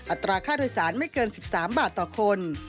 อัตราค่าโดยสารไม่เกิน๑๓บาทต่อคน